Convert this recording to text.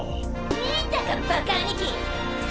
見たかバカ兄貴！は！